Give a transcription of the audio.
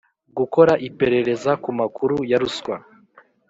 gukora iperereza ku makuru ya ruswa